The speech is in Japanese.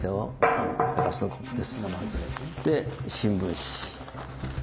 で新聞紙。